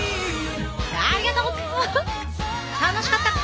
楽しかった！